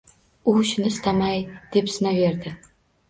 U shuni istamay depsinaverdi.